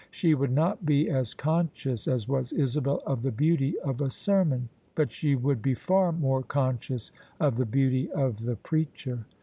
She would not be as conscious as was Isabel of the beauty of a sermon; but she would be far more conscious of the beauty of the preacher.